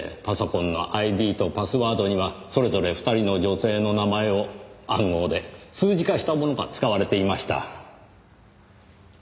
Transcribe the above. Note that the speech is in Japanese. パソコンのＩＤとパスワードにはそれぞれ２人の女性の名前を暗号で数字化したものが使われていました。